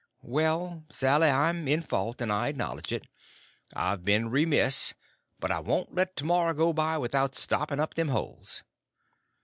"Well, Sally, I'm in fault, and I acknowledge it; I've been remiss; but I won't let to morrow go by without stopping up them holes."